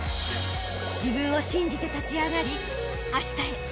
［自分を信じて立ち上がりあしたへ